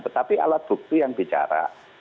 tetapi alat bukti yang bicara